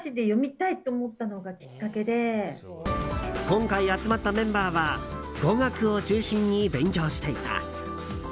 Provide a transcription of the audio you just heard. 今回集まったメンバーは語学を中心に勉強していた。